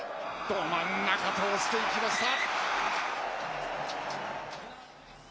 ど真ん中、通していきました。